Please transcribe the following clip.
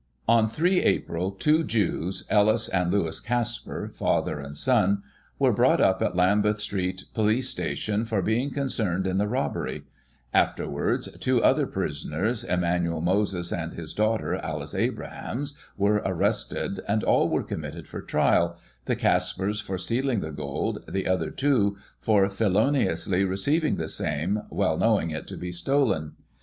On 3 April, two Jews, Ellis and Lewis Caspar, father and son, were brought up at Lambeth Street PoUce Station for being concerned in the robbery; afterwards, two other prisoners, Emanuel Moses and his daughter, Alice Abrahams, were arrested, and all were committed for trial, the Caspars for stealing the gold, the other two for feloniously receiving the same, well knowing it to be stolen.